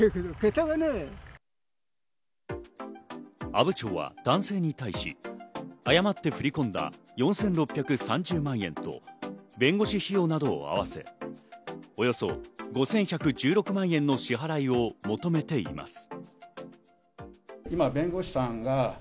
阿武町は男性に対し、誤って振り込んだ４６３０万円と弁護士費用などを合わせおよそ５１１６万円の支払いを求めています。